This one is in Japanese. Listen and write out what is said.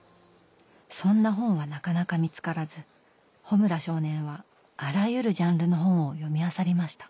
そんな本はなかなか見つからず穂村少年はあらゆるジャンルの本を読みあさりました。